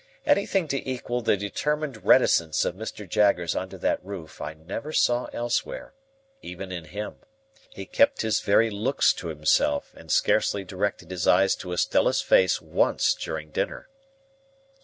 Anything to equal the determined reticence of Mr. Jaggers under that roof I never saw elsewhere, even in him. He kept his very looks to himself, and scarcely directed his eyes to Estella's face once during dinner.